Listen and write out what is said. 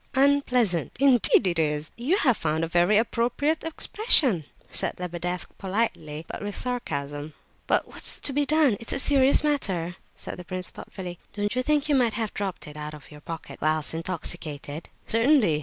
"Unpleasant! Indeed it is. You have found a very appropriate expression," said Lebedeff, politely, but with sarcasm. "But what's to be done? It's a serious matter," said the prince, thoughtfully. "Don't you think you may have dropped it out of your pocket whilst intoxicated?" "Certainly.